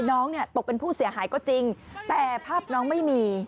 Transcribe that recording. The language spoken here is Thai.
น้องเนี่ยตกเป็นผู้เสียหายก็จริงแต่ภาพน้องไม่มี